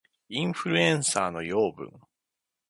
インフルエンサーの養分